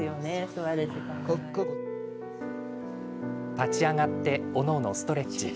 立ち上がっておのおのストレッチ。